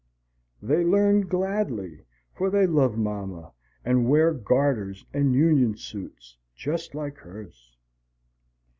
They learn gladly, for they love Mama and wear garters and union suits just like hers.